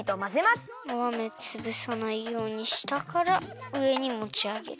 お豆つぶさないようにしたからうえにもちあげる。